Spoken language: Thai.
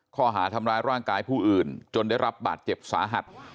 ข้อหาทำร้ายร่างกายผู้อื่นจนได้รับบาดเจ็บสาหัส